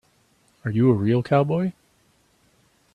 Are you a real cowboy?